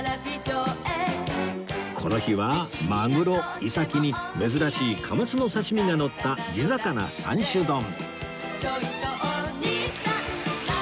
この日はマグロイサキに珍しいカマスの刺し身がのった地魚３種丼